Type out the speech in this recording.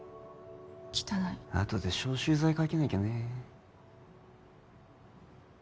汚いあとで消臭剤かけなきゃね